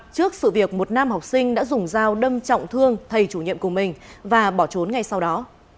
trước sự việc một nam học sinh đã dùng dao đâm trọng thương thầy chủ nhiệm của mình và bỏ trốn ngay sau đó